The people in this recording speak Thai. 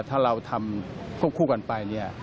ถ้าเราทำทุกกันไป